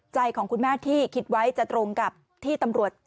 ใจของคุณแม่ที่คิดไว้จะตรงกับที่ตำรวจ